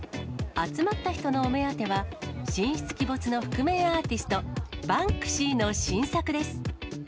集まった人のお目当ては、神出鬼没の覆面アーティスト、バンクシーの新作です。